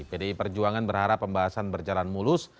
pdi perjuangan berharap pembahasan berjalan mulus